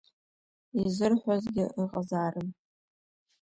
Изырҳәозгьы ыҟазаарын.